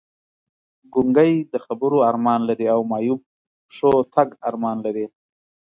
ګونګی د خبرو ارمان لري او معیوب پښو تګ ارمان لري!